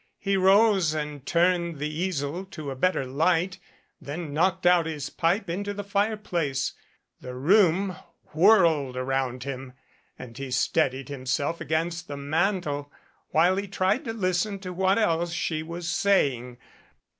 He rose and turned the easel into a better light, then knocked out his pipe into the fireplace. The room whirled around him and he steadied himself against the mantel, while he tried to listen to what else she was saying.